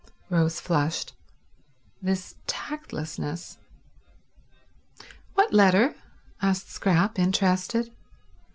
Rose flushed. This tactlessness ... "What letter?" asked Scrap, interested.